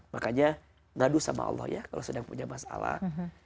makanya ngadu sama allah ya kalau sedang punya masalah